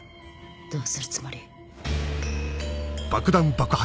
どうするつもり？